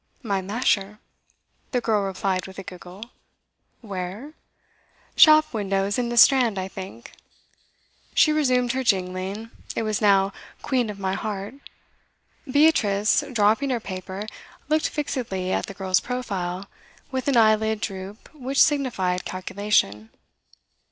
'My masher,' the girl replied with a giggle. 'Where?' 'Shop windows in the Strand, I think.' She resumed her jingling; it was now 'Queen of my Heart.' Beatrice, dropping her paper, looked fixedly at the girl's profile, with an eyelid droop which signified calculation.